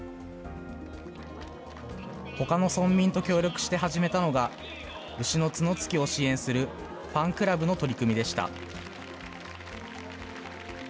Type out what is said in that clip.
ほかの村民と協力して始めたのが、牛の角突きを支援するファンクラブの取り組みでした。